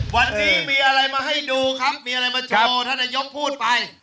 วันนี้มีอะไรมาให้ดูครับมีอะไรมาโชว์ท่านนายกพูดไป